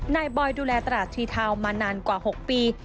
บอยดูแลตราดทีทาวน์มานานกว่า๖ปี